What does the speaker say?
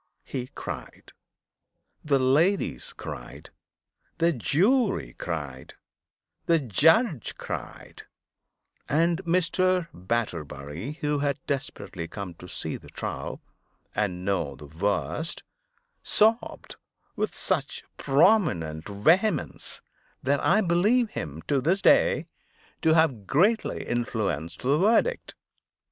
He cried; the ladies cried; the jury cried; the judge cried; and Mr. Batterbury, who had desperately come to see the trial, and know the worst, sobbed with such prominent vehemence, that I believe him, to this day, to have greatly influenced the verdict.